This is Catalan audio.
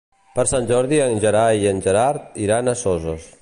Per Sant Jordi en Gerai i en Gerard iran a Soses.